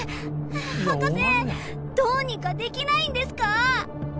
博士どうにかできないんですか？